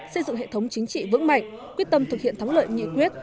xây dựng hệ thống chính trị vững mạnh quyết tâm thực hiện thắng lợi nghị quyết